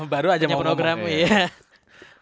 baru aja mau ngomong